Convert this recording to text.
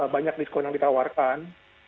banyak diskon yang ditawarkan